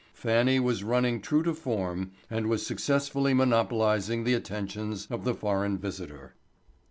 Fannie was running true to form and was successfully monopolizing the attentions of the foreign visitor.